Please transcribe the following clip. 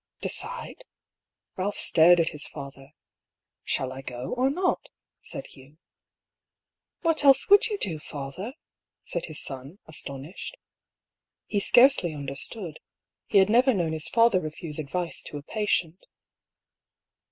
" Decide ?" Ralph stared at his father. " Shall I go, or not ?" said Hugh. "What else would you do, father?" said his son, astonished. He scarcely understood — he had never known his father refuse advice to a patient.